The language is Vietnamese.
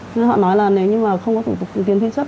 nên họ nói là nếu như mà không có thủ tục tiền thế chấp